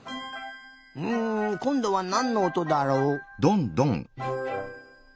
うんこんどはなんのおとだろう？